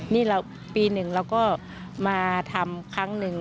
นี่ปีหนึ่งเราก็มาทำครั้งหนึ่ง